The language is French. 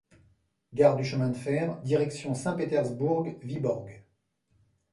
Gare du chemin de fer, direction Saint-Pétersbourg - Vyborg.